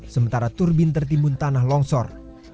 sementara turbin tertimbun tanah longsor